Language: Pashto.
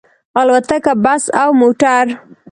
الوتکه، بس او موټر